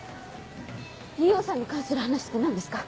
Ｔ・Ｏさんに関する話って何ですか？